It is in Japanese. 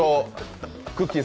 くっきー！